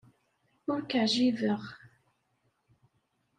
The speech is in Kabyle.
Ur k-ɛjibeɣ.